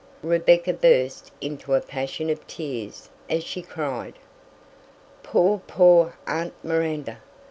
Rebecca burst into a passion of tears as she cried, "Poor, poor aunt Miranda!